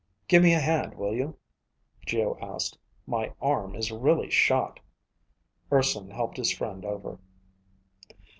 "Give me a hand, will you?" Geo asked. "My arm is really shot." Urson helped his friend over.